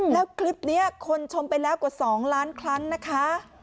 แล้วคลิปนี้คนชมไปแล้วกว่า๒ล้านครั้งนะคะ